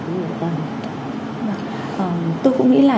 tôi cũng nghĩ là